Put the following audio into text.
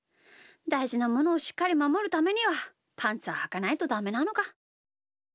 だいじなものをしっかりまもるためにはパンツははかないとダメなのか。